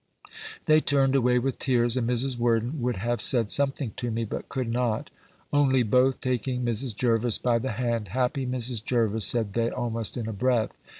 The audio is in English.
They turned away with tears; and Mrs. Worden would have said something to me, but could not. Only both taking Mrs. Jervis by the hand, "Happy Mrs. Jervis!" said they, almost in a breath.